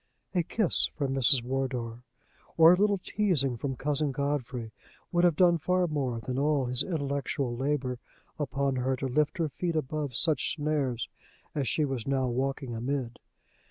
A kiss from Mrs. Wardour, or a little teasing from Cousin Godfrey, would have done far more than all his intellectual labor upon her to lift her feet above such snares as she was now walking amid.